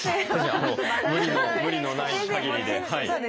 無理のない限りで。